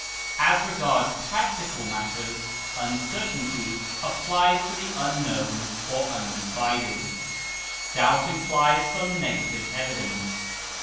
As regards practical matters, uncertainty applies to the unknown or undecided; doubt implies some negative evidence.